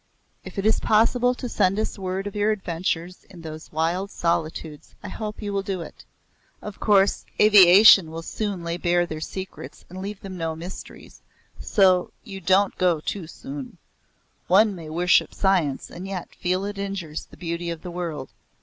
If it is possible to send us word of your adventures in those wild solitudes I hope you will do it. Of course aviation will soon lay bare their secrets and leave them no mysteries, so you don't go too soon. One may worship science and yet feel it injures the beauty of the world.